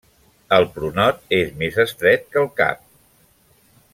El pronot és més estret que el cap.